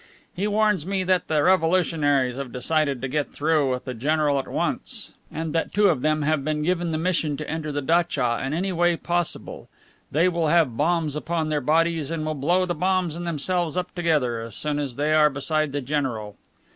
He warns me that the revolutionaries have decided to get through with the general at once, and that two of them have been given the mission to enter the datcha in any way possible. They will have bombs upon their bodies and will blow the bombs and themselves up together as soon as they are beside the general.